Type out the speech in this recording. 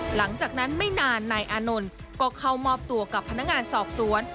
หลังจากนั้นไม่นานนายอานนท์ก็เข้ามอบตัวกับพนักงานสอบสวน